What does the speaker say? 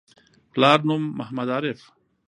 پلار نوم: محمد عارف